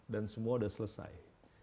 dan semua udah selesai